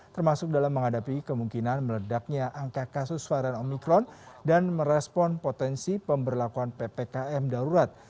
termasuk dalam menghadapi kemungkinan meledaknya angka kasus varian omikron dan merespon potensi pemberlakuan ppkm darurat